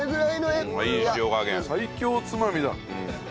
最強つまみだ。